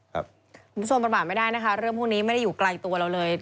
คุณผู้ชมประมาทไม่ได้นะคะเรื่องพวกนี้ไม่ได้อยู่ไกลตัวเราเลย